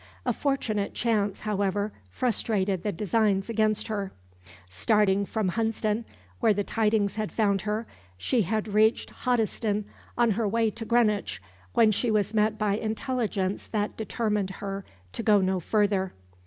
A fortunate chance, however, frustrated the designs against her. Starting from Hunsdon, where the tidings had found her, she had reached Hoddesden on her way to Greenwich, when she was met by intelligence that determined her to go no further.